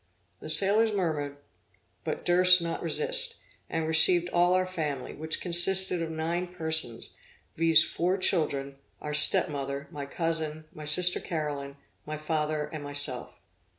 The sailors murmured, but durst not resist, and received all our family, which consisted of nine persons, viz. four children, our step mother, my cousin, my sister Caroline, my father and myself.